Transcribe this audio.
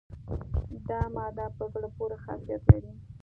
دا ماده په زړه پورې خاصیت لري.